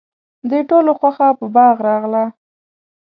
د ټولو خوښه په باغ راغله.